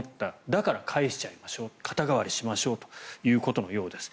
だから返しちゃいましょう肩代わりしましょうということのようです。